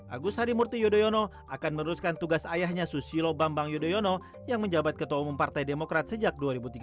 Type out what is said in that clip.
agus harimurti yudhoyono akan meneruskan tugas ayahnya susilo bambang yudhoyono yang menjabat ketua umum partai demokrat sejak dua ribu tiga belas